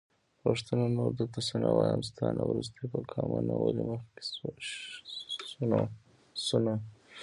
پښتونه نور درته څه نه وايم.. ستا نه وروستی قامونه ولي مخکې شو نه